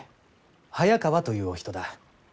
早川というお人だ。